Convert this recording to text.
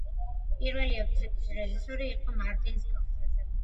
პირველი ეპიზოდის რეჟისორი იყო მარტინ სკორსეზე.